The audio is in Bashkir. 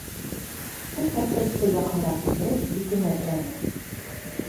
Ул портретты яҡыныраҡ килтереп битемә терәне.